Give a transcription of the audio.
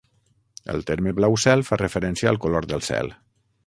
El terme blau cel fa referència al color del cel.